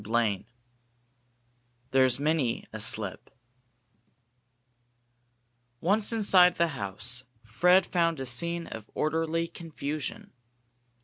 CHAPTER IX "THERES MANY A SLIP " Once inside the house, Fred found a scene of orderly confusion.